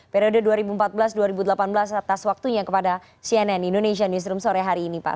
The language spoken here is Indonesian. periode dua ribu empat belas dua ribu delapan belas atas waktunya kepada cnn indonesia newsroom sore hari ini pak